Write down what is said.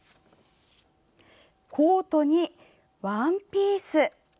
コートにワンピース。